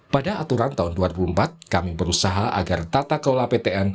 pada aturan tahun dua ribu empat kami berusaha agar tata kelola ptn